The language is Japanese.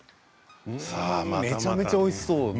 めちゃめちゃおいしそう。